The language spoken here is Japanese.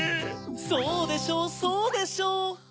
そうでしょうそうでしょう！